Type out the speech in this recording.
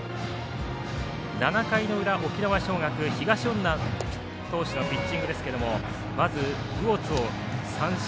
７回の裏、沖縄尚学東恩納投手のピッチングですけれどもまず、魚津を三振。